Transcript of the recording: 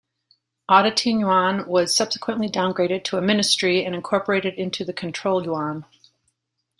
Auditing Yuan was subsequently downgraded to a ministry and incorporated into the Control Yuan.